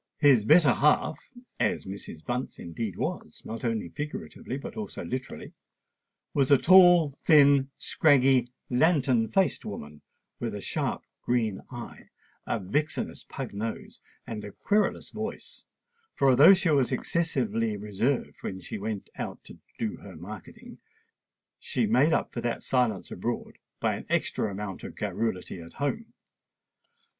His better half—as Mrs. Bunce indeed was, not only figuratively, but also literally—was a tall, thin, scraggy, lantern faced woman, with a sharp green eye, a vixenish pug nose, and a querulous voice; for although she was excessively reserved when she went out "to do her marketing," she made up for that silence abroad by an extra amount of garrulity at home.